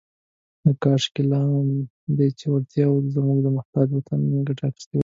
« کاشکې، لهٔ دې وړتیاوو زموږ محتاج وطن ګټه اخیستې وای. »